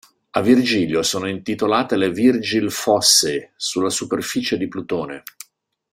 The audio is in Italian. A Virgilio sono intitolate le Virgil Fossae sulla superficie di Plutone.